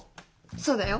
そうだよ。